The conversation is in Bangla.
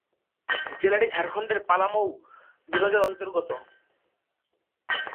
জেলাটি ঝাড়খণ্ডের পালামৌ বিভাগের অন্তর্গত।